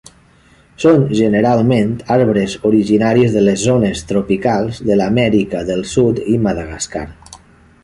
Són generalment arbres originaris de les zones tropicals de l'Amèrica del Sud i Madagascar.